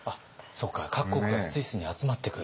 各国がスイスに集まってくる？